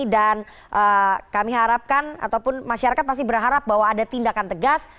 dan kami harapkan ataupun masyarakat masih berharap bahwa ada tindakan tegas